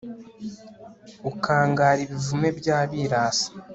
ukangara ibivume by'abirasi